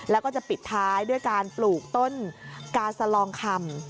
แล้วก็จะปิดท้ายด้วยการปลูกต้นกาสลองคำ